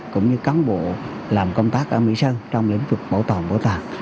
cũng như cán bộ làm công tác ở mỹ sơn trong lĩnh vực bảo tòm bổ tàng